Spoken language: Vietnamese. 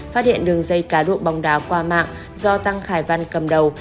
phát hiện đường dây cá độ bóng đá qua mạng do tăng khải văn cầm đầu